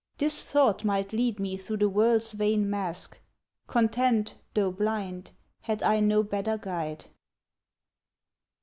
This thought might lead me through the world's vain mask, Content, though blind, had I no better guide.